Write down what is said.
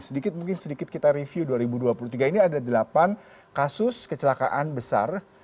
sedikit mungkin sedikit kita review dua ribu dua puluh tiga ini ada delapan kasus kecelakaan besar